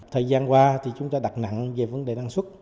thời gian qua thì chúng ta đặt nặng về vấn đề năng suất